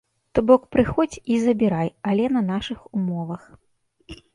То бок, прыходзь і забірай, але на нашых умовах.